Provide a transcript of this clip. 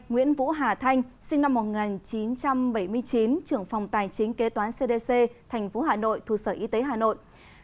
hai nguyễn vũ hà thanh sinh năm một nghìn chín trăm bảy mươi chín trưởng phòng tài chính kế toán cdc thành phố hà nội thuận sở y tế hà nội